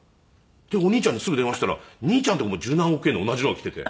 でお兄ちゃんにすぐ電話したら兄ちゃんとこも十何億円の同じのが来ていて。